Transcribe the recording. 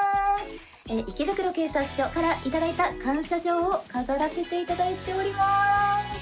池袋警察署から頂いた感謝状を飾らせていただいております！